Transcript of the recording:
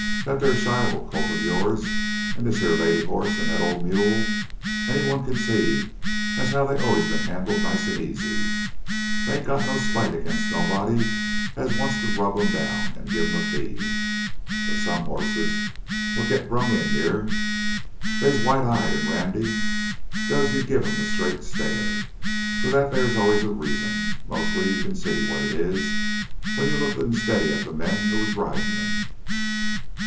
That there Shiloh colt o' yours, an' this here lady hoss, an' that old mule ... anyone can see as how they's always been handled nice an' easy. They ain't got no spite 'gainst nobody as wants to rub 'em down an' give 'em a feed. But some hosses what git brung in here—they's white eyed an' randy, does you give 'em a straight stare. For that there's always a reason. Mostly you can see what it is when you look good an' steady at th' men who was ridin' 'em!"